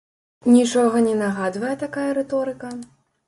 Нічога не нагадвае такая рыторыка?